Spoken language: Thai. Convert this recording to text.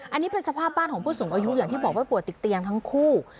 อันนี้เป็นสภาพบ้านของผู้สูงอายุอย่างที่บอกว่าป่วยติดเตียงทั้งคู่